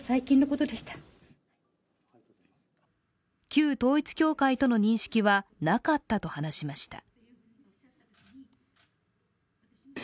旧統一教会との認識はなかったと話しました。